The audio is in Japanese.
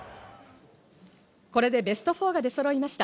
これでベスト４が出そろいました。